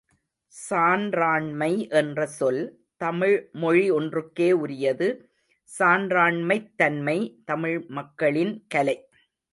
சான்றாண்மை என்ற சொல் தமிழ்மொழி ஒன்றுக்கே உரியது.சான்றாண்மைத் தன்மை, தமிழ் மக்களின் கலை.